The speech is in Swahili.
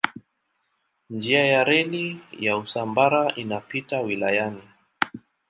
Njia ya reli ya Usambara inapita wilayani.